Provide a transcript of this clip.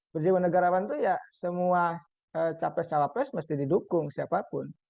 berjiwa negarawan itu ya semua capres capres mesti didukung siapapun